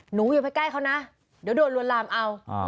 หนูอยู่ใกล้เขานะเดี๋ยวโดนรวมลำเอา